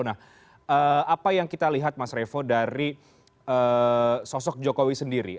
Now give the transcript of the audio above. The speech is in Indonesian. nah apa yang kita lihat mas revo dari sosok jokowi sendiri